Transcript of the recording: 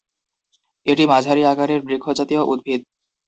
এটি মাঝারি আকারের বৃক্ষ জাতীয় উদ্ভিদ।